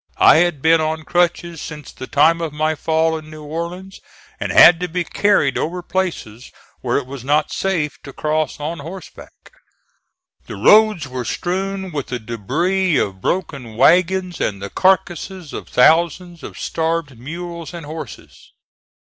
I had been on crutches since the time of my fall in New Orleans, and had to be carried over places where it was not safe to cross on horseback. The roads were strewn with the debris of broken wagons and the carcasses of thousands of starved mules and horses.